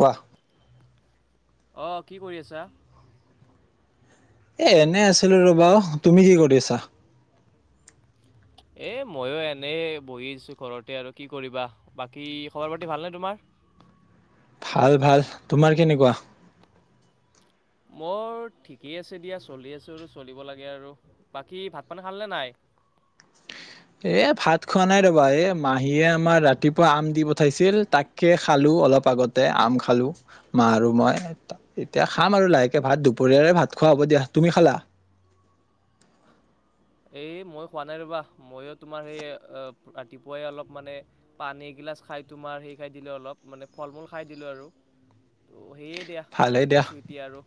কোৱা? অ' কি কৰি আছা? এ এনে আছিলো ৰবা অ' তুমি কি কৰি আছা? এ মইও এনে বহি আছো ঘৰতে আৰু কি কৰিবা। বাকী খবৰ পাতি ভালনে তোমাৰ? ভাল ভাল, তোমাৰ কেনেকুৱা? মোৰ ঠিকেই আছে দিয়া, চলি আছোঁ আৰু চলিব লাগে আৰু। বাকী ভাত পানী খালা নে নাই? এ ভাত খোৱা নাই ৰবা, এ মাহীয়ে আমাৰ ৰাতিপুৱা আম দিব পঠাইছিল তাকে খালোঁ অলপ আগতে আম খালোঁ মা আৰু মই। এতিয়া খাম আৰু লাহেকে ভাত দুপৰীয়াৰে ভাত খোৱা হ'ব দিয়া, তুমি খালা? এই মইও খোৱা নাই ৰবা, মইয়ো তোমাৰ সেই অ ৰাতিপুৱাই অলপ মানে পানী এগিলাচ খায় তোমাৰ সেই খায় দিলো অলপ মানে ফল মূল খায় দিলো আৰু, ত' সেই দিয়া, ভালেই এনেকে আছোঁ এতিয়া আৰু।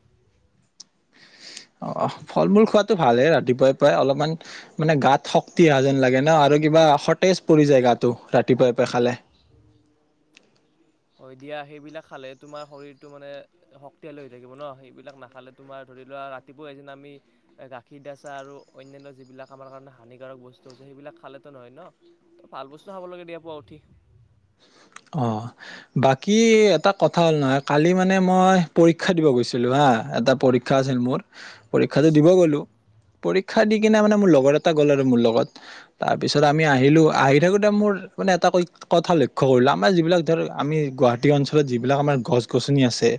অহ ফল মূল খোৱাটো ভালেই ৰাতিপুৱাই প্ৰায় অলপমান মানে গাত শক্তি অহা যেন লাগে ন আৰু কিবা সতেজ পৰি যায় গাটো ৰাতিপুৱাই পুৱাই খালে। হয় দিয়া সেইবিলাক খালে তোমাৰ শৰীৰটো মানে শক্তিশালী হৈ থাকিব ন, সেইবিলাক নাখালে তোমাৰ ধৰি লোৱা ৰাতিপুৱা এদিন আমি এ গাখীৰ দিয়া চাহ আৰু অন্যান্য যিবিলাক আমাৰ কাৰণে হানিকাৰক বস্তু আছে সেইবিলাক খালেতো নহয় ন তো ভাল বস্তু খাব লাগে দিয়া পুৱা উঠি। অহ বাকী এটা কথা হ'ল নহয়, কালি মানে মই পৰীক্ষা দিব গৈছো। ছিলো হা এটা পৰীক্ষা আছিল মোৰ, পৰীক্ষাটো দিব গলো। পৰীক্ষা দি কিনে মানে মোৰ লগৰ এটা গল আৰু মোৰ লগত, তাৰপিছত আমি আহিলো আহি থাকোতে মোৰ মানে এটা কৈ কথা লক্ষ্য কৰিলোঁ আমাৰ যিবিলাক ধৰক আমি গুৱাহাটী অঞ্চলত যিবিলাক আমাৰ গছ গছনি আছে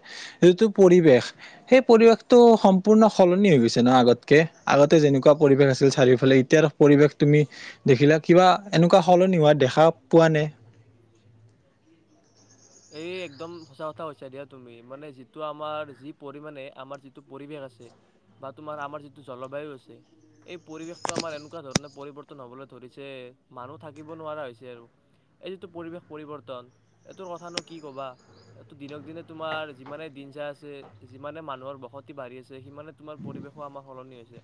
সেইটো পৰিৱেশ সেই পৰিৱেশটো সম্পূৰ্ণ সলনি হৈ গৈছে ন আগতকে, আগতে যেনেকুৱা পৰিৱেশ আছিল চাৰিওফালে এতিয়া আৰু পৰিৱেশ তুমি দেখিলা, কিবা এনেকুৱা সলনি হোৱা দেখা পোৱা নে? এই একদম সঁচা কথা কৈছোঁ দিয়া তুমি। মানে যিটো আমাৰ যি পৰিমাণে আমাৰ যিটো পৰিৱেশ আছে বা তোমাৰ আমাৰ যিটো জলবায়ু আছে এই পৰিৱেশটো আমাৰ এনেকুৱা ধৰণে পৰিৱৰ্তন হবলৈ ধৰিছে মানুহ থাকিব নোৱাৰা হৈছে আৰু। এই যিটো পৰিৱেশ পৰিৱৰ্তন এইটোৰ ক কথা নো কি কবা! এই দিনক দিনে তোমাৰ যিমানে দিন যায় আছে, যিমানে মানুহৰ বস তি বাঢ়ি আছে সিমানে তোমাৰ পৰিৱেশো আমাৰ সলনি হৈছে।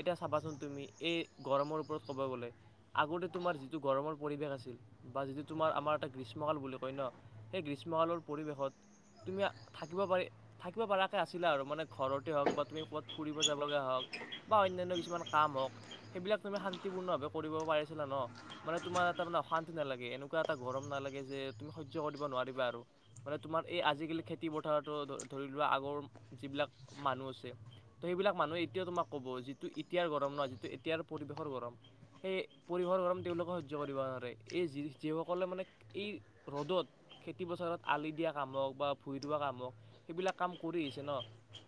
এতিয়া চাবাচোন তুমি, এই গৰমৰ ওপৰত ক'ব গ'লে আগতে তোমাৰ যিটো গৰমৰ পৰিৱেশ আছিল বা যিটো তোমাৰ আমাৰ এটা গ্ৰীষ্মকাল বুলি কয় ন সেই গ্ৰীষ্মকালৰ পৰিৱেশত তুমি থাকিব পাৰি থাকিব পাৰাকে আছিলে আৰু মানে ঘৰতে হওঁক বা তুমি ক'ত ফুৰিব যাব লগীয়া হওঁক বা অন্যান্য কিছুমান কাম হওঁক, সেইবিলাক তুমি শান্তিপূৰ্ণভাৱে কৰিব পাৰিছিলা ন। মানে তোমাৰ এটা মানে অশান্তি নালাগে, এনেকুৱা এটা গৰম নালাগে যে তুমি সহ্য কৰিব নোৱাৰিবা আৰু মানে তোমাৰ এই আজিকালি খেতি পথাৰটো ধৰি লোৱা আগৰ যিবিলাক মানুহ আছে ত' সেইবিলাক মানুহে এতিয়াও তোমাক ক'ব যিটো এতিয়াৰ গৰম ন যিটো এতিয়াৰ পৰিৱেশৰ গৰম সেই পৰিৱেশ গৰম তেওঁলোকো সহ্য কৰিব নোৱাৰে। এই যি যিসকলে মানে এই ৰ'দত খেতি পথাৰত আলি দিয়া কাম হওক বা ভুই ৰোৱা কাম হওঁক সেইবিলাক কাম কৰি আহিছে ন।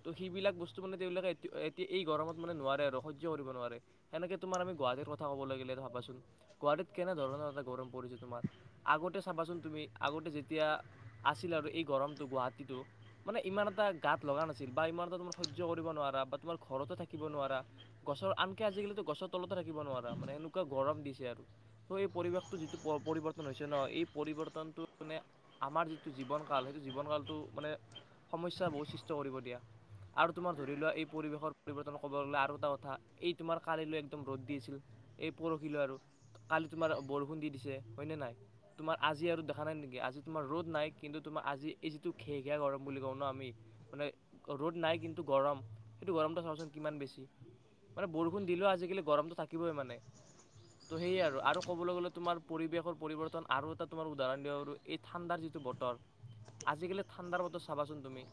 ত' সেইবিলাক বস্তু মানে তেওঁলোকে এতিয়া এই গৰমত মানে নোৱাৰে আৰু সহ্য কৰিব নোৱাৰে। সেইকে তোমাৰ আমি গুৱাহাটীৰ কথা ক'ব লাগিলে ভাবাচোন। গুৱাহাটীত কেনেধৰণৰ এটা গৰম পৰিছে তোমাৰ। আগতে চাবাচোন তুমি আগতে যেতিয়া আছিল আৰু এই গৰমটো গুৱাহাটীটো মানে ইমান এটা গাত লগা নাছিল বা ইমান এটা তোমাৰ সহ্য কৰিব নোৱাৰা বা তোমাৰ ঘৰতে থাকিব নোৱাৰা। গছৰ, ‌ আনকে আজিকালিতো গছৰ তলতে থাকিব নোৱাৰা। মানে এনেকুৱা গৰম দিছে আৰু। ত' এই পৰিৱেশটো যিটো পৰিৱৰ্তন হৈছে ন। এই পৰিবৰ্ত [unintelligible] [unintelligible] মানে আমাৰ যিটো জীৱন কাল সেইটো জীৱন কালটো মানে সমস্যা বহু সৃষ্টি কৰিব দিয়া। আৰু তোমাৰ ধৰি লোৱা এই পৰিৱেশৰ পৰিৱৰ্তন ক'বলৈ গ'লে আৰু এটা কথা এই তোমাৰ কালিলৈ একদম ৰ'দ দি আছিল। এই পৰখিলৈ আৰু কালি তোমাৰ বৰষুণ দি দিছে। হয়নে নাই? তোমাৰ আ' আজি আৰু দেখা নাই নেকি আজি তোমাৰ ৰ'দ নাই। কিন্তু তোমাৰ আজি এই যিটো খেঘীয়া গৰম বুলি কওঁ ন আমি মানে ৰ'দ নাই। কিন্তু গৰম গৰমটো চাবচোন কিমান বেছি। মানে বৰষুণ দিলেও আজিকালি গৰমতো থাকিবই মানে। ত' সেয়ে আৰু ক'বলৈ গ'লে তোমাৰ পৰিৱেশৰ পৰিৱৰ্তন আৰু এটা তোমাৰ উদাহৰণ দিব পাৰোঁ আৰু এই ঠাণ্ডাৰ যিটো বতৰ আজিকালি ঠাণ্ডাৰ বতৰ চাবাচোন তুমি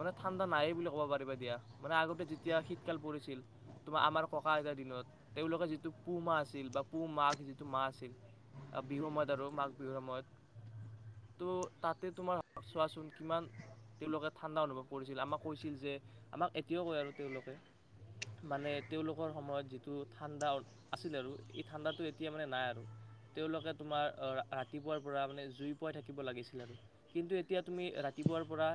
মানে ঠাণ্ডা নাই বুলি ক'ব পাৰিবা দিয়া। মানে আগতে যেতিয়া শীতকাল পৰিছিল। তোমাৰ আমাৰ ককা-আইতাৰ দিনত তেওঁলোকৰ যিটো পুহ মাহ আছিল বা পুহ মাক যিটো মাহ আছিল। বিহুৰ সময়ত আৰু মাঘ বিহুৰ সময়ত। ত' তাতে তোমাৰ চোৱাচোন কিমান তেওঁলোকে ঠাণ্ডা অনুভৱ কৰিছিল। আমাক কৈছিল যে, আমাক এতিয়াও কয় আৰু তেওঁলোকে মানে তেওঁলোকৰ সময়ত যিটো ঠাণ্ডা আছিল আৰু এই ঠাণ্ডাটো এতিয়া মানে নাই আৰু তেওঁলোকে তোমাৰ ৰাতিপুৱাৰ পৰা মানে জুই পুৱাই থাকিব লাগিছিল আৰু কিন্তু এতিয়া তুমি ৰাতিপুৱাৰ পৰা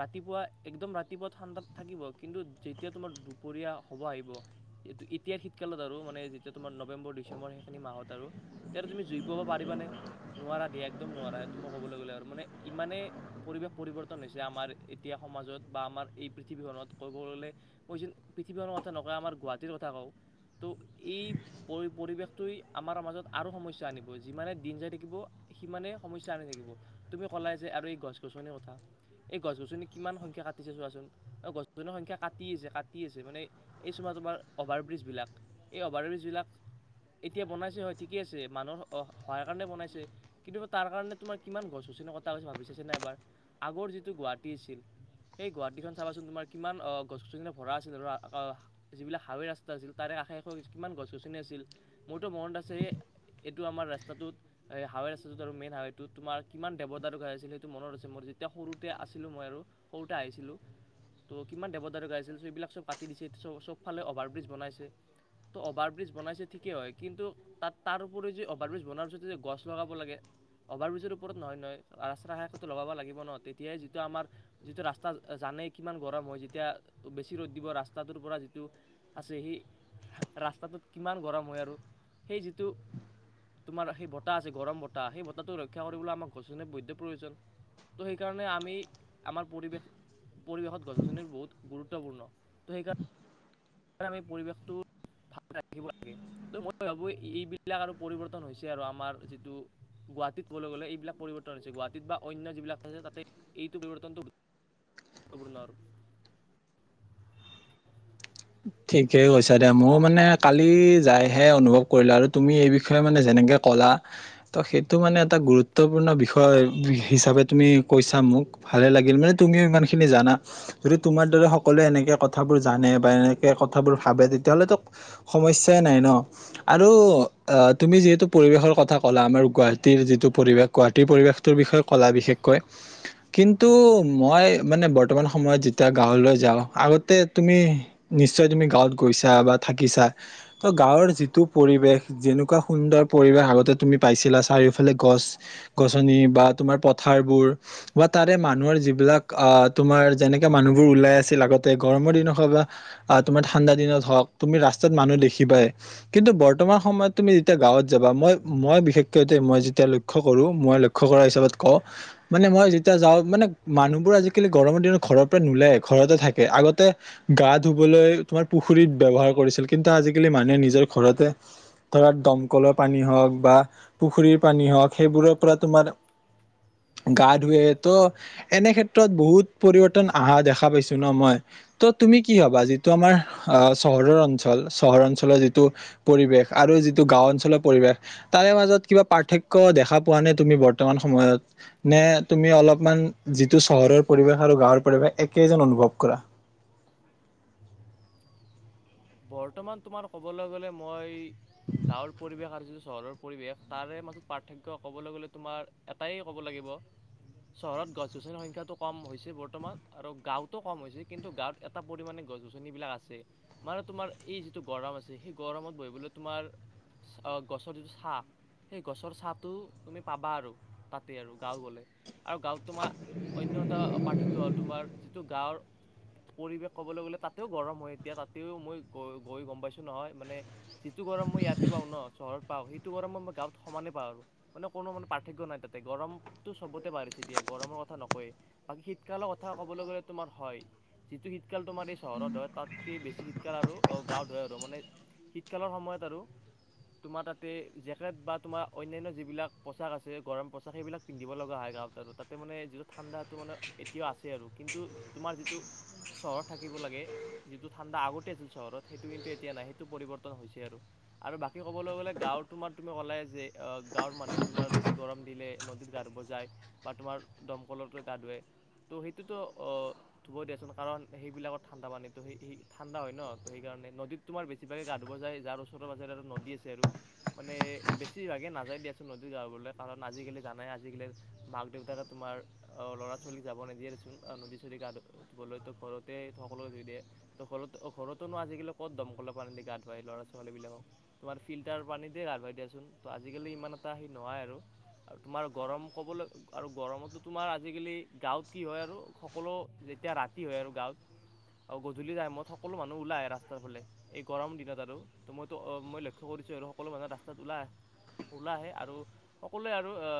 ৰাতিপুৱা একদম ৰাতিপুৱা ঠাণ্ডাত থাকিব। কিন্তু যেতিয়া তোমাৰ দুপৰীয়া হ'ব আহিব এইটো এতিয়াৰ শীতকালত আৰু মানে যেতিয়া তোমাৰ নৱেম্বৰ ডিচেম্বৰ সেইখিনি মাহত আৰু তেতিয়া তুমি জুই পোৱাব পাৰিবানে? নোৱাৰা দিয়া। একদম নোৱাৰা। সেইটো মই ক'বলৈ গ'লে আৰু মানে ইমানেই পৰিৱেশ পৰিৱৰ্তন হৈছে আমাৰ এতিয়া সমাজত বা আমাৰ এই পৃথিৱীখনত। ক'ব গ'লে কৈছিল পৃথিৱীনৰ কথা নকয়। আমাৰ গুৱাহাটীৰ কথা কওঁ। ত' এই পৰি পৰিৱেশটোৱই আমাৰ মাজত আৰু সমস্যা আনিব যিমানে দিন যাই [unintelligible] সিমানে সমস্যা আনি থাকিব তুমি কলাই যে আৰু এই গছ গছনি কথা এই গছ গছনি কিমান সংখ্যা কাটিছে চোৱাচোন অ গছ গছনিৰ সংখ্যা কাটি আছে কাটি আছে মানে এই চোৱা তোমাৰ অভাৰ ব্ৰীজবিলাক এই অভাৰ ব্ৰীজবিলাক এতিয়া বনাইছে হয় ঠিকে আছে মানুহৰ অ সহায়ৰ কাৰণে বনাইছে। কিন্তু তাৰ কাৰণে তোমাৰ কিমান গছ গছনি কটা গৈছে ভাবি চাইছে নে এবাৰ আগৰ যিটো গুৱাহাটী আছিল সেই গুৱাহাটীখন চাবাচোন তোমাৰ কিমান অ গছ গছনিৰে ভৰা আছিল [unintelligible] যিবিলাক হাৱে ৰাস্তা আছিল তাৰে আশে পাশে কিমান গছ গছনি আছিল মোৰতো মনত আছেই এইটো আমাৰ ৰাস্তাটোত এই হাইৱে ৰাস্তটো আৰু মেইন হাইৱেটো হাইৱে ৰাস্তাটোত যে মেইন হাইৱে টো তোমাৰ কিমান দেৱদাৰ ঘাই আছিল মনত আছে মোৰ যেতিয়া সৰুতে আছিলোঁ মই আৰু সৰুতে আহিছিলোঁ। ত' কিমান দেৱদাৰ গাই আছিল চ' এইবিলাক চব কাটি দিছে চবফালে অভাৰব্ৰিজ বনাইছে। ত' অভাৰ ব্ৰিজ বনাইছে ঠিকেই হয় কিন্তু তাত তাৰ উপৰি যে অভাৰ ব্ৰিজ বনাৰ পিছতে গছ লগাব লাগে অভাৰব্ৰিজৰ ওপৰত নহয় নহয় ৰাস্তা কষতেটো লগাব লাগিব ন তেতিয়াই যিটো আমাৰ যিটো ৰাস্তা জানেই কিমান গৰম হয় যেতিয়া বেছি ৰ'দ দিব ৰাস্তাটোৰ পৰা যিটো আছে সি ৰাস্তাটোত কিমান গৰম হয় আৰু সেই যিটো তোমাৰ সেই বতাহ আছে গৰম বতাহ সেই বতাহটো ৰক্ষা কৰিবলৈ আমাক গছ গছনিৰ বদ্য প্ৰয়োজন। ত' সেইকাৰণে আমি আমাৰ পৰিৱেশ পৰিৱেশত গছ গছনিৰ বহুত গুৰুত্বপূৰ্ণ ত' সেইকাৰণে তাতে আমি পৰিৱেশটোত ভালে ৰাখিব লাগে। ত' মই ভাবো এইবিলাক আৰু পৰিৱৰ্তন হৈছে আৰু। আমাৰ যিটো গুৱাহাটীত কবলৈ গ'লে এইবিলাক পৰিৱৰ্তন হৈছে। গুৱাহাটীত বা অন্য যিবিলাক আছে তাতে এইটো পৰিৱৰ্তনটো গুৰুত্বপুৰ্ন আৰু। ঠিকেই কৈছা দিয়া। মইও মানে কালি যাইহে অনুভৱ কৰিলো, আৰু তুমি এই বিষয়ে মানে যেনেকে ক'লা। তো সেইটো মানে এটা গুৰুত্বপূৰ্ণ বিষয় হিচাপে তুমি কৈছা মোক। ভালেই লাগিল মানে তুমিও ইমান খিনি জানা। যদি তোমাৰ দৰে সকলোৱে এনেকে কথাবোৰ জানে বা এনে কথাবোৰ ভাবে তেতিয়াহ'লেতো সমস্যাই নাই ন। আৰু অ' তুমি যিহেতু পৰিৱেশৰ কথা ক'লা। আমাৰ গুৱাহাটীৰ যিটো পৰিৱেশ গুৱাহাটীৰ পৰিৱেশটোৰ বিষয়ে ক'লা বিশেষকৈ। কিন্তু কিন্তু মই মানে বৰ্তমান সময়ত যেতিয়া গাঁৱলৈ যাওঁ। আগতে তুমি নিশ্চয় তুমি গাঁৱত গৈছা বা থাকিছা। ত' গাঁৱৰ যিটো- পৰিৱেশ যেনেকুৱা সুন্দৰ পৰিৱেশ আগতে তুমি পাইছিলা চাৰিওফালে গছ গছনি বা তোমাৰ পথাৰবোৰ। বা তাৰে মানুহৰ যিবিলাক আ তোমাৰ যেনেকে মানুহবোৰ ওলাই আছিল আগতে গৰমৰ দিন হয় বা তোমাৰ ঠাণ্ডা দিনত হওঁক তুমি ৰাস্তাত মানুহ দেখিবাই। কিন্তু বৰ্তমান সময়ত তুমি যেতিয়া গাঁৱত যাবা, মই মই বিশেষকৈ দেই মই যেতিয়ালৈ লক্ষ্য কৰোঁ মই লক্ষ্য কৰা হিচাপত কওঁ মানে মই যেতিয়া যাওঁ, মানে মানুহবোৰ আজিকালি গৰমৰ দিনত ঘৰৰ পৰা নোলাইয়ে ঘৰতে থাকে। আগতে গা ধুবলৈ তোমাৰ পুখুৰীত ব্যৱহাৰ কৰিছিল। কিন্তু আজিকালি মানুহে নিজৰ ঘৰতে ধৰা দমকলৰ পানী হওঁক বা পুখুৰীৰ পানী হওঁক সেইবোৰৰ পৰা তোমাৰ গা ধোৱে। ত' এনে ক্ষেত্ৰত বহুত পৰিৱৰ্তন অহা দেখা পাইছো ন মই। ত' তুমি কি ভাবা? যিটো আমাৰ আহ চহৰৰ অঞ্চল চহৰৰ অঞ্চলৰ যিটো পৰিৱেশ আৰু যিটো গাঁও অঞ্চলৰ পৰিৱেশ। তাৰে মাজত কিবা পাৰ্থক্য দেখা পোৱা নে তুমি বৰ্তমান সময়ত? নে তুমি অলপমান যিটো চহৰৰ পৰিৱেশ আৰু গাঁৱৰ পৰিবেশ একেই যেন অনুভৱ কৰা? বৰ্তমান তোমাৰ ক'বলৈ গ'লে মই গাঁৱৰ পৰিৱেশ আৰু যিটো চহৰৰ পৰিৱেশ, তাৰে মাজত পাৰ্থক্য ক'বলৈ গ'লে তোমাৰ এটাই ক'ব লাগিব চহৰত গছ গছনিৰ সংখ্যাটো কম হৈছে, বৰ্তমান আৰু গাঁওতো কম হৈছে। কিন্তু গাঁৱত এটা পৰিমাণে গছ গছনিবিলাক আছে। মানে তোমাৰ এই যিটো গৰম আছে, সেই গৰমত বহিবলৈ তোমাৰ গছৰ যিটো ছাঁ। সেই গছৰ ছাঁটো তুমি পাবা আৰু তাতেই আৰু গাঁও গ'লে। আৰু গাঁৱত তোমাৰ অন্য এটা পাৰ ৰ্থক্য হ'ল তোমাৰ, যিটো গাঁৱৰ পৰিৱেশ ক'বলৈ গ'লে তাতেও গৰম হয়। এতিয়া তাত তেও মই গৈ গৈ গ'ম পাইছোঁ নহয় মানে যিটো গৰম মই ইয়াতে পাওঁ ন' চহৰত পাওঁ, সেইটো গৰম মই মই গাঁৱত সমানে পাওঁ আৰু। মানে কোনো মানে পাৰ্থক্য নাই তাতে। গৰমতটো চবতে বাঢ়িছে এতিয়া, গৰমৰ কথা নকওঁয়েই। বাকী শীতকালৰ কথা ক'বলৈ গ'লে তোমাৰ হয়। যিটো শীতকাল তোমাৰ এই চহৰত হয় তাতকে বেছি শীতকাল আৰু গাঁৱত হয় আৰু। মানে শীতকালৰ সময়ত আৰু তোমাৰ তাতে জেকেট বা তোমাৰ অন্যান্য যিবিলাক পোছাক আছে গৰম পোছাক। সেইবিলাক পিন্ধিব লগা হয় গাঁৱত আৰু, তাতে মানে যিটো ঠাণ্ডাটো এতিয়াও আছে। কিন্তু তোমাৰ যিটো চহৰত থাকিব লাগে যিটো ঠাণ্ডা আগতে আছিল চহৰত সেইটো কিন্তু এতিয়া নাই সেইটো পৰিৱৰ্তন হৈছে আৰু। আৰু বাকী ক'বলৈ গ'লে গাঁওৰ তোমাৰ তুমি কলাই যে গাঁৱৰ মানুহ তোমাৰ বেছি গৰম দিলে নদীত গা ধুব যায় বা তোমাৰ দমকলতে গা ধুৱে। ত সেইটোতো অ ধুবই দিয়াচোন কাৰণ সেইবিলাকত ঠাণ্ডা পানীতো সেই সেই ঠাণ্ডা হয় ন' তো সেইকাৰণে নদীত তোমাৰ বেছিভাগে গা ধুব যায় যাৰ ওচৰত পাজৰে আৰু নদী আছে আৰু। মানে বেছিভাগে নাযাই দিয়া চোন নদী গাঁ ধুবলৈ কাৰণ আজিকালি জানাই আজিকালি মাক দেউতাকে তোমাৰ অ, ল'ৰা ছোৱালীক যাব নিদিয়ে দেচোন নদী-চদী গা ধুবলৈতো ঘৰতে সকলোৱো ধুই দিয়ে। ত ঘৰত ঘৰতোনো আজিকালি ক'ত দমকললৰ পানী দি গা ধুৱাই ল'ৰা ছোৱালীবিলাকক তোমাৰ ফিল্টাৰ পানীতে গা ধুৱাই দিয়াচোন ত আজিকালি ইমান এটা হেৰি নহয় আৰু। আৰু তোমাৰ গৰম ক'বলৈ আৰু গৰমতো তোমাৰ আজিকালি গাঁৱত কি হয় আৰু সকলো যেতিয়া ৰাতি হয় আৰু গাঁৱত আৰু গধূলি টাইমত সকলো মানুহ ওলাই আহে ৰাস্তাৰ ফালে। এই গৰম দিনত আৰু ত মইতো মই লক্ষ্য কৰিছো আৰু সকলো মানুহে ৰাস্তাত ওলাই আহে। ওলাই আহে আৰু সকলোৱে আৰু আ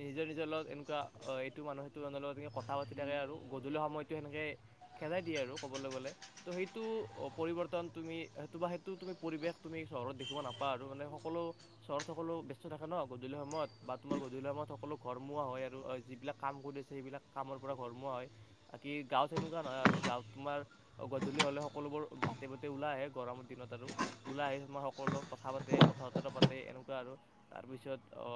নিজৰ নিজৰ লগত এনেকুৱা এইটো মানুহ সেইটো লগত এনেকে কথা পাতি থাকে আৰু গধূলি সময়ত। সেইটো সেনেকে খেদাই দিয়ে আৰু ক'বলৈ গ'লে। ত' সেইটো পৰিৱৰ্তন তুমি সেইটো বা সেইটো তুমি পৰিৱেশ তুমি চহৰত দেখিব নাপাৱ আৰু মানে সকলো চহৰত সকলো ব্যস্ত থাকে ন' গধূলি সময়ত বা তোমাৰ গধূলি সময়ত সকলো ঘৰমুৱা হয় আৰু যিবিলাক কাম কৰি সেইবিলাক কামৰ পৰা ঘৰমোৱা হয় বাকী গাঁৱত তেনেকুৱা নহয় আৰু গাঁৱত তোমাৰ অ, গধূলি হ'লে সকলোবোৰ বাটে-পথে ওলাই আহে গৰমৰ দিনত আৰু। ওলাই আহি তোমাৰ সকলো কথা পাতে কথা-বতৰা পাতে এনেকুৱা আৰু তাৰপিছত অ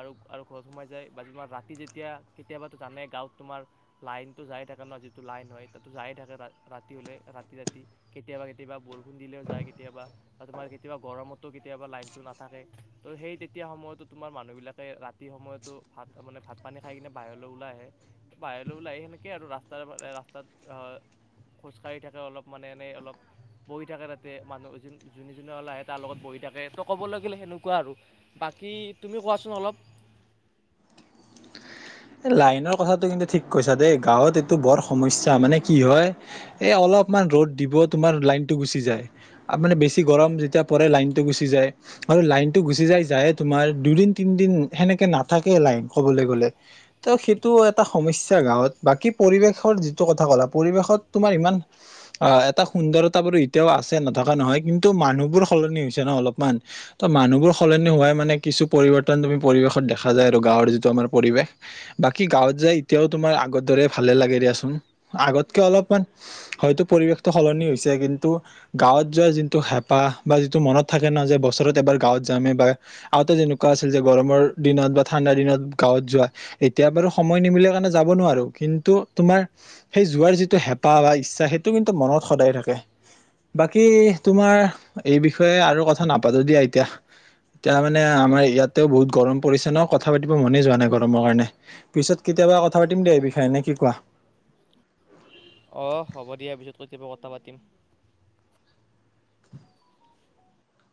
আৰু, আৰু ঘৰত সোমাই যায় বাকি তোমাৰ ৰাতি যেতিয়া কেতিয়াবাতো জানাই গাঁৱত তোমাৰ লাইনতো যায় থাকে ন' যিটো লাইন হয় তাতো যায়ে থাকে ৰাতি হলে ৰাতি-ৰাতি। কেতিয়াবা কেতিয়াবা বৰষুণ দিলেও যায় কেতিয়াবা বা তোমাৰ কেতিয়াবা গৰমতো কেতিয়াবা লাইনতো না থাকে ত' সেই তেতিয়াৰ সময়তো তোমাৰ মানুহ বিলাকে ৰাতিৰ সময়তো ভাত মানে ভাত-পানী খাই কিনে বাহিৰলৈ ওলাই আহে বাহিৰলৈ ওলাই আহি সেনেকে আৰু ৰাস্তাৰে ৰাস্তাত আ খোজকাঢ়ি থাকে অলপ মানে এনেই অলপ। বহি থাকে তাতে মানুহ যো যোনে যোনে ওলাই আহে তাৰ লগত বহি থাকে ত ক'বলৈ গলে সেনেকুৱা আৰু। বাকী তুমিও কোৱাচোন অলপ। এই লাইনৰ কথাটো কিন্তু ঠিক কৈছা দেই গাঁৱত এইটো বৰ সমস্যা মানে কি হয় এ, অলপমান ৰ'দ দিব তোমাৰ লাইনটো গুচি যায়। মানে বেছি গৰম যেতিয়া পৰে লাইনটো গুচি যায় আৰু লাইনটো গুচি যাই যায় তোমাৰ দুদিন তিনিদিন সেনেকে নাথাকে লাইন কবলৈ গলে ত সেইটো এটা সমস্যা গাঁৱত বাকী পৰিৱেশৰ যিটো কথা কলা পৰিৱেশত তোমাৰ ইমান অ এটা সুন্দৰতা বাৰু এতিয়াও আছে নথকা নহয় কিন্তু মানুহবোৰ সলনি হৈছে ন অলপমান ত মানুহবোৰ সলনি হোৱাই মানে কিছু পৰিৱৰ্তন তুমি পৰিৱেশত দেখা যায় আৰু গাঁৱৰ যিটো আমাৰ পৰিৱেশ বাকী গাঁৱত যাই এতিয়াও তোমাৰ আগৰ দৰে ভালে লাগে দিয়াচোন আগতকে অলপমান হয়তো পৰিৱেশটো সলনি হৈছে কিন্তু গাঁৱত যোৱা যোনটো হেঁপাহ বা যিটো মনত থাকে ন যে বছৰত এবাৰ গাঁৱত যাম এবাৰ আগতে যেনেকুৱা আছিল যে গৰমৰ দিনত বা ঠাণ্ডা দিনত গাঁৱত যোৱা এতিয়া বাৰু সময় নিমিলে কাৰণে যাব নোৱাৰো কিন্তু তোমাৰ সেই যোৱাৰ যিটো হেঁপাহ বা ইচ্ছা সেইটো কিন্তু মনত সদায় থাকে বাকী তোমাৰ এই বিষয়ে আৰু কথা নাপাতো দিয়া এতিয়া এতিয়া মানে আমাৰ ইয়াতেও বহুত গৰম পৰিছে ন কথা পাতিব মনে যোৱা নাই গৰমৰ কাৰণে পিছত কেতিয়াবা কথা পাতিম দে এই বিষয়ে, নে কি কোৱা? অহ' হ'ব দিয়া, পিছত কেতিয়াবা কথা পাতিম।